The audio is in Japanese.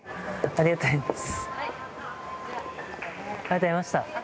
ありがとうございます。